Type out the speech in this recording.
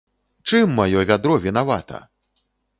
Чым маё вядро вінавата?